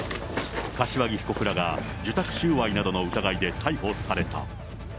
柏木被告らが受託収賄などの疑いで逮捕された。